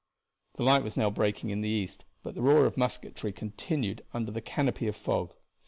The light was now breaking in the east, but the roar of musketry continued under the canopy of fog.